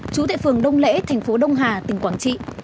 chú tại phường đông lễ tp đông hà tỉnh quảng trị